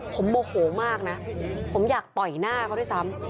ผมโมโหมากนะผมอยากต่อยหน้าเขาด้วยซ้ำ